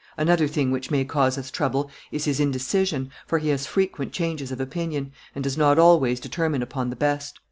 Another thing which may cause us trouble is his indecision, for he has frequent changes of opinion, and does not always determine upon the best.